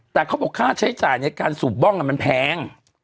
แต่เขาบอกค่าใช้จ่ายในการสูบบ้องมันแพง